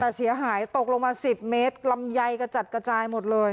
แต่เสียหายตกลงมา๑๐เมตรลำไยกระจัดกระจายหมดเลย